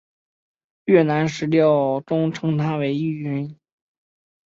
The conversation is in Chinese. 越南史料中称她为玉云。